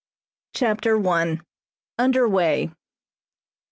CHAPTER I. UNDER WAY.